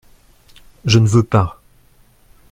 Je ne veux pas !…